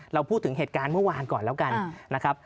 เราพูดถึงเหตุการณ์เมื่อวานก่อนแล้วกันนะครับ